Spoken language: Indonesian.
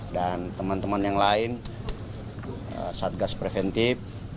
dan teman teman yang lain satgas preventif